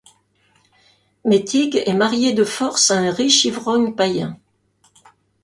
Metig est mariée de force à un riche ivrogne païen.